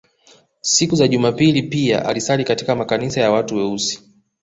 Siku za Jumapili pia alisali katika makanisa ya watu weusi